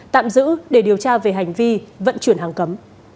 tạm giữ để điều tra về hành vi vận chuyển hàng cấm